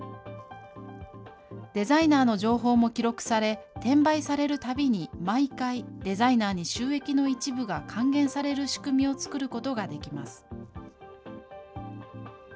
デザイナーの情報も記録され、転売されるたびに、毎回、デザイナーに収益の一部が還元される仕組みを作ることができます。